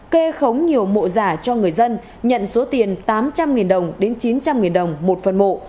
kê khống nhiều mộ giả cho người dân nhận số tiền tám trăm linh đồng đến chín trăm linh đồng một phần mộ